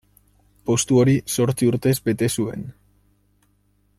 Postu hori zortzi urtez bete zuen.